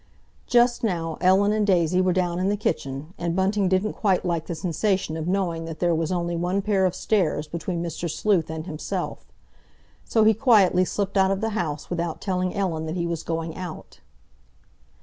Just now Ellen and Daisy were down in the kitchen, and Bunting didn't quite like the sensation of knowing that there was only one pair of stairs between Mr. Sleuth and himself. So he quietly slipped out of the house without telling Ellen that he was going out.